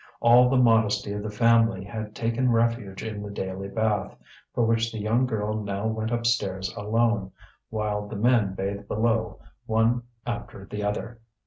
All the modesty of the family had taken refuge in the daily bath, for which the young girl now went upstairs alone, while the men bathed below one after the other.